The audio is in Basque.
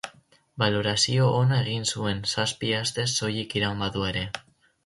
Balorazio ona egin zuen, zazpi astez soilik iraun badu ere.